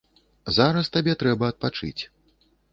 Зараз табе трэба адпачыць.